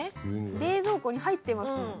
冷蔵庫に入ってますもん。